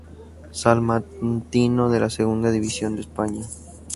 Salmantino de la Segunda División de España.